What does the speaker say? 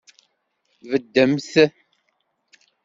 Beddemt!